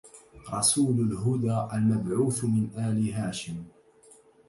رسول الهدى المبعوث من آل هاشم